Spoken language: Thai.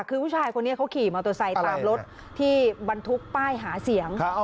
คือผู้ชายคนนี้เขาขี่มอเตอร์ไซค์ตามรถที่บรรทุกป้ายหาเสียง